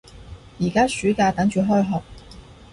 而家暑假，等住開學